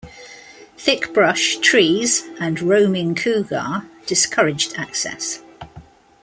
Thick brush, trees and roaming cougar discouraged access.